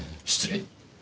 失礼。